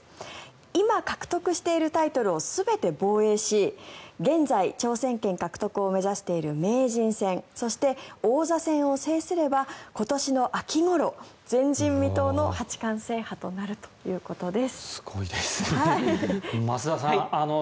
今獲得しているタイトルを全て防衛し現在、挑戦権獲得を目指している名人戦そして、王座戦を制すれば今年の秋ごろ前人未到の八冠制覇となるということです。